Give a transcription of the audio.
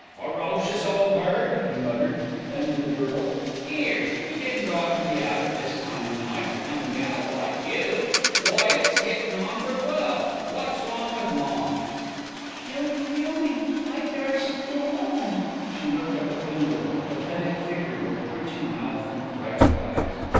"Ferocious ole bird," he muttered. Then to the girl, "'Ere, you didn't ought to be out at this time o' night, a young gal like you. Why, it's gettin' on for twelve. Wot's wrong with Ma?" "She'll kill me. I darsen't go home." She looked up at Bindle, a pathetic figure, with twitching mouth and frightened eyes.